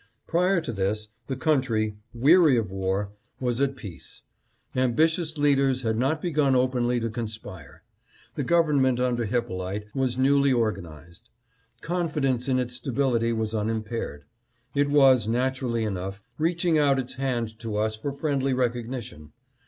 Prior to this, the country, weary of war, was at peace. Ambitious leaders had not begun openly to conspire. The govern ment under Hyppolite was newly organized. Confidence in its stability was unimpaired. It was, naturally enough, reaching out its hand to us for friendly recog nition.